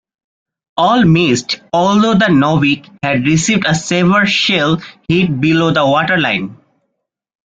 All missed although the "Novik" had received a severe shell hit below the waterline.